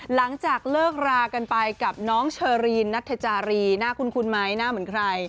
หลังจากเลิกรากันไปกับน้องเชอรีนนัทจารีหน้าคุ้นไหมหน้าเหมือนใคร